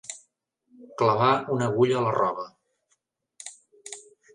Clavar una agulla a la roba.